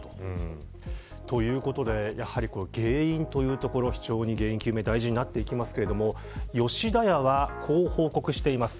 ということで原因というところ非常に原因究明が大事になってきますが吉田屋は、こう報告しています。